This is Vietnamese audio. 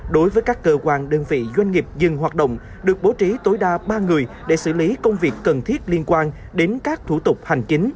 đối với các cơ quan đơn vị doanh nghiệp dừng hoạt động được bố trí tối đa ba người để xử lý công việc cần thiết liên quan đến các thủ tục hành chính